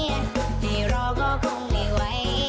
ไม่รอก็คงไม่ไหว